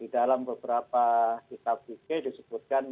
dari beberapa kitab kitab